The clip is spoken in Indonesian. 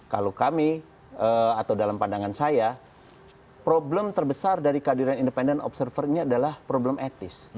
kalau kami atau dalam pandangan saya problem terbesar dari kehadiran independent observer ini adalah problem etis